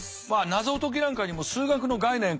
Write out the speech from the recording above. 謎解きなんかにも数学の概念考え方